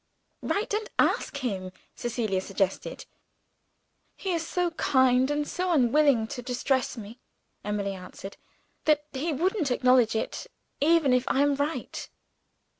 "Write, and ask him," Cecilia suggested. "He is so kind and so unwilling to distress me," Emily answered, "that he wouldn't acknowledge it, even if I am right."